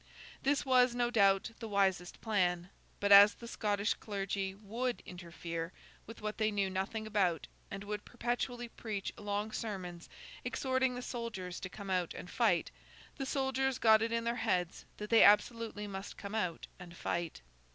This was, no doubt, the wisest plan; but as the Scottish clergy would interfere with what they knew nothing about, and would perpetually preach long sermons exhorting the soldiers to come out and fight, the soldiers got it in their heads that they absolutely must come out and fight.